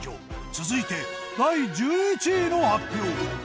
続いて第１１位の発表。